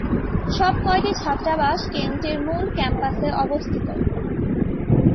সবকয়টি ছাত্রাবাস কেন্টের মূল ক্যাম্পাসে অবস্থিত।